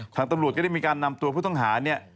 ทางตำรวจก็ได้มีการนำตัวผู้ต้องหาเนี่ย